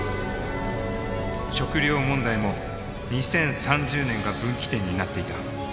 食料問題も２０３０年が分岐点になっていた。